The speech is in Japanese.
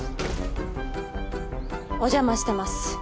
お邪魔してます。